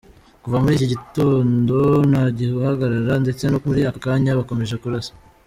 Kuva muri iki gitondo, nta guhagarara; ndetse no muri aka kanya bakomeje kurasa.